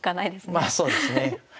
まあそうですね。